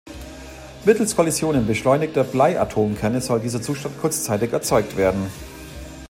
Mittels Kollisionen beschleunigter Blei-Atomkerne soll dieser Zustand kurzzeitig erzeugt werden.